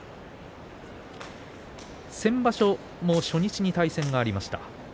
先場所も初日に対戦がありました。